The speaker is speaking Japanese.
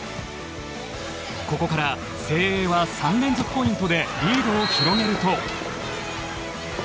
ここから誠英は３連続ポイントでリードを広げると。